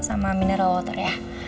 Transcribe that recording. sama mineral water ya